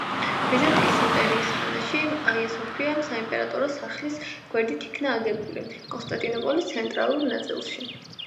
ბიზანტიის იმპერიის ხანაში აია-სოფია საიმპერატორო სასახლის გვერდით იქნა აგებული კონსტანტინოპოლის ცენტრალურ ნაწილში.